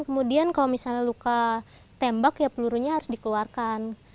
kemudian kalau misalnya luka tembak ya pelurunya harus dikeluarkan